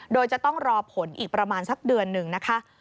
โดยจะต้องรอผลอีกประมาณสักเดือนหนึ่งนะคะ